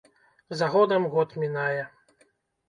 За годам год мінае.